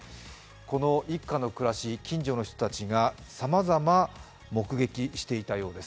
この一家の暮らし、近所の人たちさまざま目撃していたようです